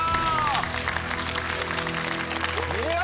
いや。